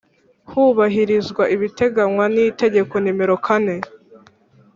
hubahirizwa ibiteganywa n Itegeko nimero kane